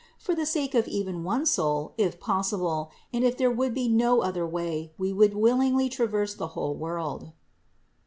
For the sake of even one soul, if possible, and if there would be no other way, We would willingly traverse the whole world."